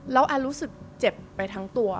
แล้วแอนรู้สึกเจ็บไปทั้งตัว